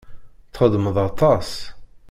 Txeddmeḍ aṭas.